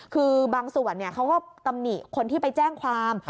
คือบางส่วนเขาก็ตำหนิคนที่ไปแจ้งความ